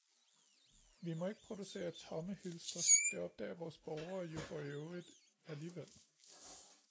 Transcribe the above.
Vi må ikke producere tomme hylstre, det opdager vores borgere jo for øvrigt alligevel.